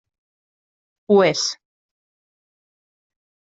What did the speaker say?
Ho és.